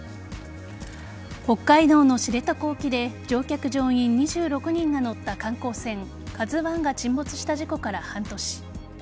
北海道の知床沖で乗客・乗員２６人が乗った観光船「ＫＡＺＵ１」が沈没した事故から半年。